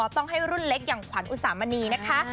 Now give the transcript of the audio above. ต้องให้รุ่นเล็กอย่างขวัญอุสามณีนะคะ